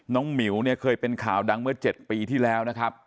หมิวเนี่ยเคยเป็นข่าวดังเมื่อ๗ปีที่แล้วนะครับ